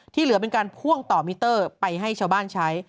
เหลือเป็นการพ่วงต่อมิเตอร์ไปให้ชาวบ้านใช้